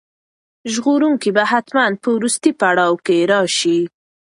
ژغورونکی به حتماً په وروستي پړاو کې راشي.